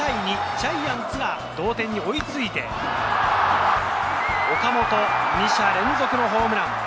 ジャイアンツが同点に追いついて、岡本、２者連続のホームラン。